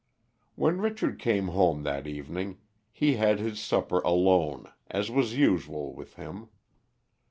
When Richard came home that evening he had his supper alone, as was usual with him.